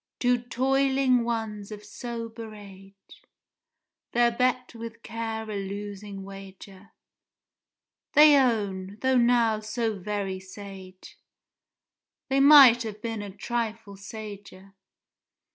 Two toiling ones of sober age (Their bet with Care a losing wager); They own, though now so very sage, They might have been a trifle sager!